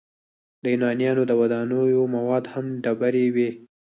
د یونانیانو د ودانیو مواد هم ډبرې وې.